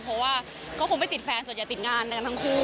เพราะว่าเขาคงไม่ติดแฟนจนจะติดงานด้วยกันทั้งคู่